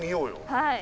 はい。